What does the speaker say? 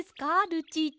ルチータ。